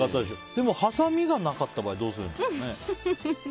でもはさみがなかった場合どうするんでしょうね。